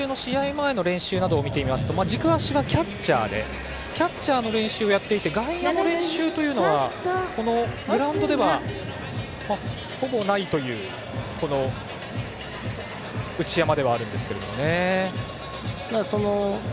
前の練習などを見ていますと軸足がキャッチャーでキャッチャーの練習をやっていて外野の練習というのはグラウンドではほぼないという内山ではあるんですけどね。